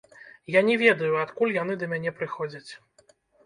Я не ведаю, адкуль яны да мяне прыходзяць.